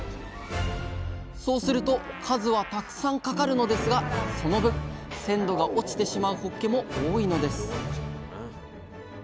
そうすると数はたくさんかかるのですがその分鮮度が落ちてしまうほっけも多いのです